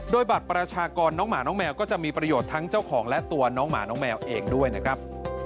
โดยบัตรประชากรน้องหมาน้องแมวก็จะมีประโยชน์ทั้งเจ้าของและตัวน้องหมาน้องแมวเองด้วยนะครับ